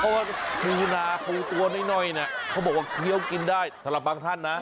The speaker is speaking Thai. เพราะว่าปูนาปูตัวน้อยเนี่ยเขาบอกว่าเคี้ยวกินได้สำหรับบางท่านนะ